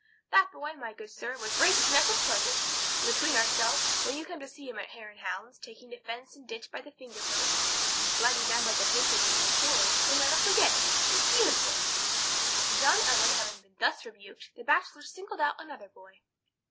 That boy, my good sir, would break his neck with pleasure; and between ourselves, when you come to see him at hare and hounds, taking the fence and ditch by the finger post, and sliding down the face of the little quarry, you'll never forget it. It's beautiful!" John Owen having been thus rebuked, the Bachelor singled out another boy.